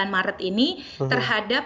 dua puluh sembilan maret ini terhadap